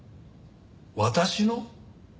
私の？